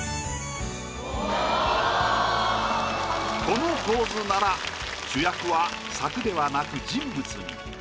この構図なら主役は柵ではなく人物に。